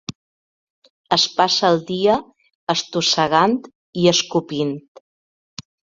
Es passa el dia estossegant i escopint.